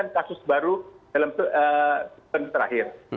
enam puluh kasus baru dalam sepenuh terakhir